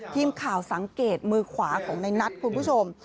ทีมข่าวสังเกตมือขวาของในนัทคุณผู้ชม